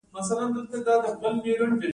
بیړه کول پښیماني راوړي